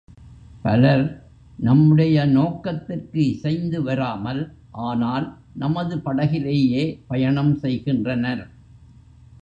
பலர் நம்முடைய நோக்கத்திற்கு இசைந்து வராமல் ஆனால் நமது படகிலேயே பயணம் செய்கின்றனர்.